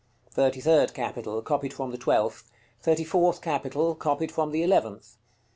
THIRTY THIRD CAPITAL. Copied from the twelfth. THIRTY FOURTH CAPITAL. Copied from the eleventh.